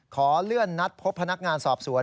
ขอเลื่อนนัดพบพนักงานสอบสวน